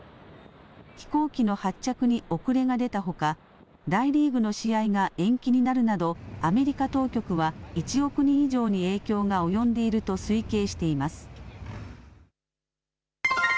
飛行機の発着に遅れが出たほか大リーグの試合が延期になるなどアメリカ当局は１億人以上に影響が及んでいると推計しています。